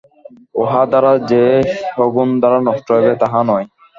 উহা দ্বারা যে সগুণ ধারণা নষ্ট হইবে, তাহা নয়।